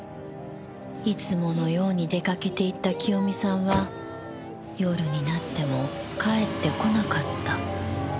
いつものように出かけていった清美さんは夜になっても帰ってこなかった。